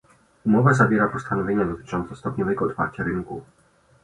Umowa zawiera postanowienia dotyczące stopniowego otwarcia rynku